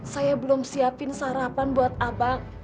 saya belum siapin sarapan buat abang